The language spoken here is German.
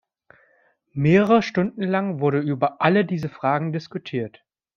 Mehrere Stunden lang wurde über alle diese Fragen diskutiert.